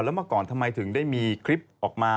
แล้วเมื่อก่อนทำไมถึงได้มีคลิปออกมา